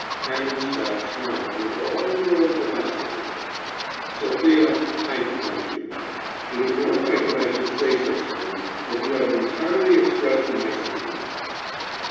Canon Spratte smiled with all his old vivacity. "Sophia, I thank you. It is not right that I should say such things, but you have entirely expressed my sentiments."